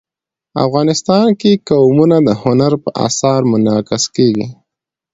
افغانستان کې قومونه د هنر په اثار کې منعکس کېږي.